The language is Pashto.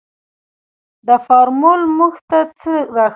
دا فارمول موږ ته څه راښيي.